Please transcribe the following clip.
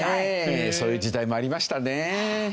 そういう時代もありましたね。